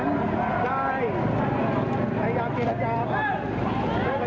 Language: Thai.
ก็จะไม่บอกว่าได้เวลาหมดคนอีกถูกหนึ่งถ้าไม่อยาก